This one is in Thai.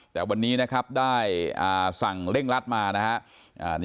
แต่วันนี้นะครับได้สั่งเร่งรัดมานะครับ